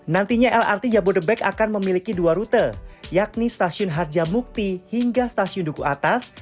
nantinya lrt jabodebek akan memiliki dua rute yakni stasiun harjamukti hingga stasiun duku atas